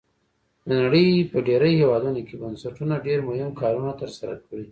د نړۍ په ډیری هیوادونو کې بنسټونو ډیر مهم کارونه تر سره کړي.